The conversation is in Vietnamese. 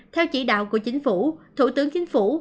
theo chỉ đạo của chính phủ thủ tướng chính phủ